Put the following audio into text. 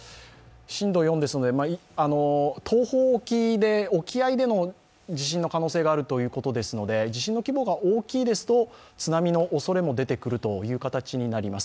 震度４ですので、東方沖で、沖合での地震の可能性があるということですので地震の規模が大きいですと津波のおそれも出てくる形になります。